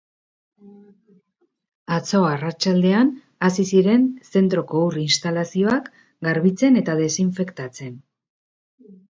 Atzo arratsaldean hasi ziren zentroko ur instalazioak garbitzen eta desinfektatzen.